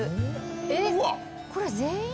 えっこれ全員？